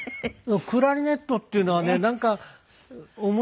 クラリネットっていうのはねなんか面白いですね。